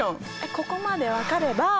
ここまで分かれば。